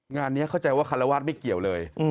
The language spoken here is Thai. งานนี้เข้าใจว่าคารวาสไม่เกี่ยวเลย